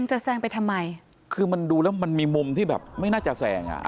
จะแซงไปทำไมคือมันดูแล้วมันมีมุมที่แบบไม่น่าจะแซงอ่ะ